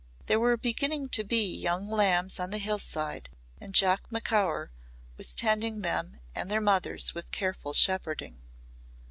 There were beginning to be young lambs on the hillside and Jock Macaur was tending them and their mothers with careful shepherding.